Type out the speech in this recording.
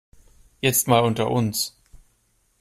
Jetzt mal unter uns.